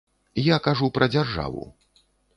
Я кажу пра дзяржаву.